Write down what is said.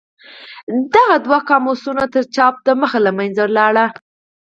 دغه دوه قاموسونه تر چاپ د مخه له منځه لاړل.